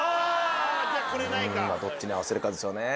どっちに合わせるかですよね。